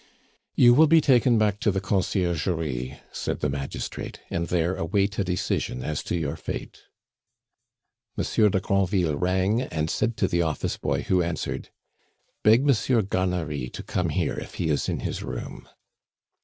"You will be taken back to the Conciergerie," said the magistrate, "and there await a decision as to your fate." Monsieur de Granville rang, and said to the office boy who answered: "Beg Monsieur Garnery to come here, if he is in his room."